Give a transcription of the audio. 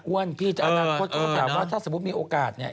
อ้วนพี่อาณาคตถ้าสมมุติมีโอกาสเนี่ย